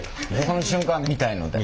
その瞬間見たいので。